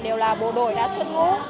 đều là bộ đội đã xuất ngũ